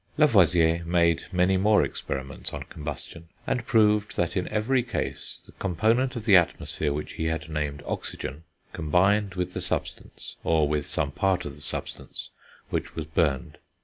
[Illustration: FIG. XVII.] Lavoisier made many more experiments on combustion, and proved that in every case the component of the atmosphere which he had named oxygen combined with the substance, or with some part of the substance, which was burned.